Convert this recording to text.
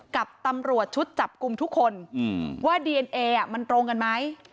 กับตำรวจชุดจับกลุ่มทุกคนว่าดีเอนเอมันตรงกันไหม